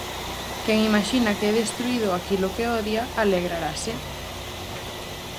Quen imaxina que é destruído aquilo que odia, alegrarase.